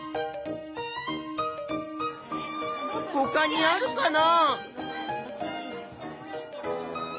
ほかにあるかな？